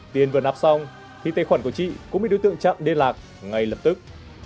tiền vừa nạp xong thì tài khoản của chị cũng bị đối tượng chặn liên lạc ngay lập tức